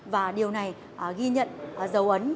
và điều này ghi nhận dấu ấn